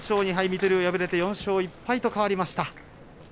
水戸龍に敗れて４勝１敗と変わりました。